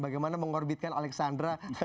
bagaimana mengorbitkan alexandra